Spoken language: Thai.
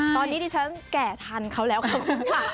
ตอนนี้ดิฉันแก่ทันเขาแล้วขอบคุณค่ะ